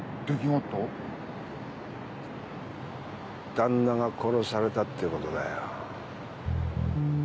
旦那が殺されたってことだよ。